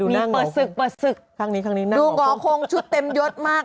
มีปะสึกปะสึกทางนี้ทางนี้ดูหอคงชุดเต็มยศมาก